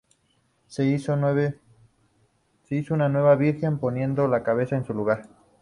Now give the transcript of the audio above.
Se hizo una nueva Virgen, poniendo la cabeza en su lugar.